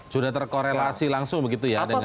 sudah terkorelasi langsung begitu ya dengan